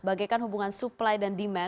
bagikan hubungan suplai dan diberantas